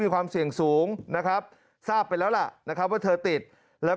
ความเสี่ยงสูงนะครับทราบไปแล้วล่ะนะครับว่าเธอติดแล้ว